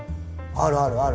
あるあるある。